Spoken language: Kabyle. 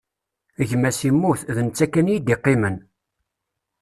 Gma-s immut, d netta kan i yi-d-iqqimen.